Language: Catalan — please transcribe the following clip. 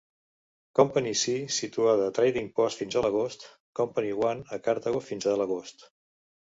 Company C situada a Trading Post fins a l'agost, Company I a Cartago fins a l'agost.